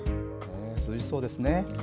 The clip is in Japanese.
涼しそうですね。